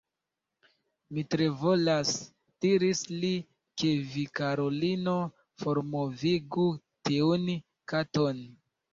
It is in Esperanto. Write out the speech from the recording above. "Mi tre volas," diris li, "ke vi, karulino, formovigu tiun katon."